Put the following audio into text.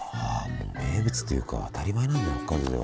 もう名物というか当たり前なんだ北海道では。